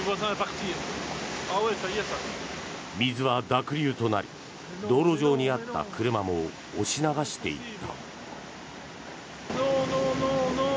水は濁流となり、道路上にあった車も押し流していった。